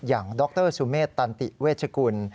อย่างดรสุเมธตันติเวชกุล